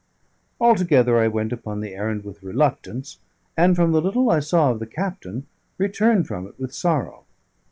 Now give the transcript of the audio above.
Altogether I went upon the errand with reluctance, and from the little I saw of the captain, returned from it with sorrow.